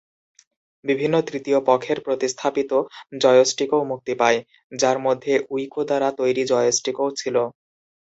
বিভিন্ন তৃতীয় পক্ষের প্রতিস্থাপিত জয়স্টিকও মুক্তি পায়, যার মধ্যে উইকো দ্বারা তৈরি জয়স্টিকও ছিল।